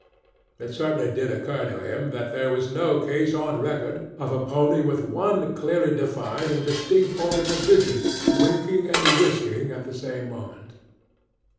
It certainly did occur to him that there was no case on record of a pony with one clearly defined and distinct organ of vision, winking and whisking at the same moment.